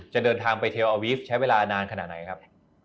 เดินทางไปเทลอาวีฟใช้เวลานานขนาดไหนครับ